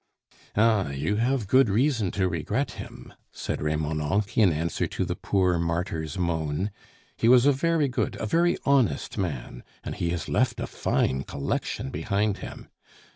"Ah! you have good reason to regret him," said Remonencq in answer to the poor martyr's moan; "he was a very good, a very honest man, and he has left a fine collection behind him.